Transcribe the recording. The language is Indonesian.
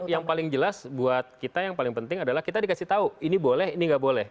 yang paling jelas buat kita yang paling penting adalah kita dikasih tahu ini boleh ini nggak boleh